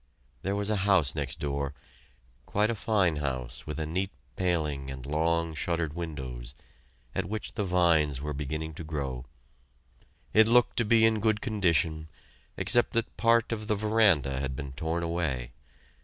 There was a house next door quite a fine house with a neat paling and long, shuttered windows, at which the vines were beginning to grow. It looked to be in good condition, except that part of the verandah had been torn away.